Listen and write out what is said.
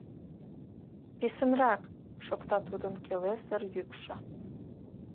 Писынрак! — шокта тудын келесыр йӱкшӧ.